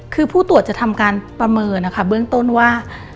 คือผู้ตรวจจะทำการประเมินนะคะเบื้องต้นว่า